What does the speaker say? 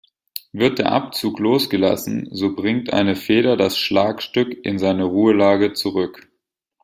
Wird der Abzug losgelassen so bringt eine Feder das Schlagstück in seine Ruhelage zurück.